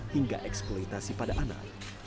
hingga eksploitasi pada anak